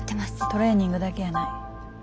トレーニングだけやない。